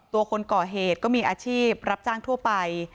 คนก่อเหตุก็มีอาชีพรับจ้างทั่วไป